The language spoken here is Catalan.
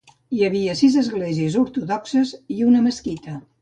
Hi havia sis esglésies ortodoxes i una mesquita.